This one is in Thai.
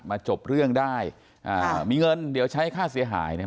จบเรื่องได้อ่ามีเงินเดี๋ยวใช้ค่าเสียหายเนี่ย